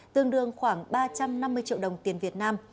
tương đương khoảng ba trăm năm mươi triệu đồng tiền việt nam